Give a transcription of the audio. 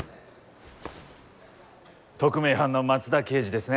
「特命班の松田刑事」ですね？